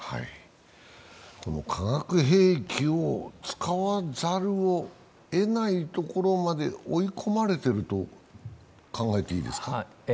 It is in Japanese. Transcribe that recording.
化学兵器を使わざるをえないところまで追い込まれてると考えていいですか？